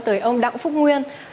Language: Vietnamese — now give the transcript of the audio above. tới ông đặng phúc nguyên